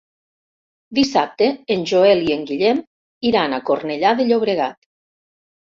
Dissabte en Joel i en Guillem iran a Cornellà de Llobregat.